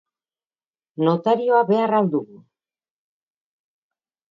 Notarioa behar al dugu?